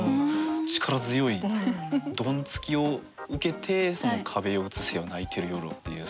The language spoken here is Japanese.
力強い「ドンつき」を受けて「壁よ写せよ泣いてる夜を」っていう。